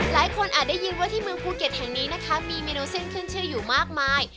อาจได้ยินว่าที่เมืองภูเก็ตแห่งนี้นะคะมีเมนูเส้นขึ้นชื่ออยู่มากมาย